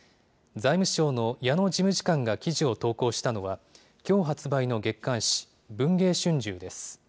財務省の矢野事務次官が記事を投稿したのは、きょう発売の月刊誌、文藝春秋です。